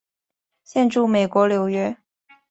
现住美国纽约。